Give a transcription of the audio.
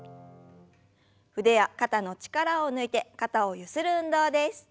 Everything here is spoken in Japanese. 腕や肩の力を抜いて肩をゆする運動です。